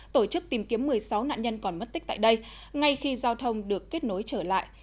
tổ chức tìm kiếm một mươi sáu nạn nhân còn mất tích tại đây ngay khi giao thông được kết nối trở lại